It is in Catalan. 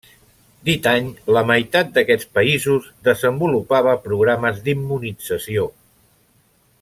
Dit any, la meitat d'aquests països desenvolupava programes d'immunització.